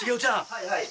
はいはい。